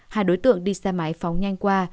hai đối tượng đi xe máy phóng nhanh qua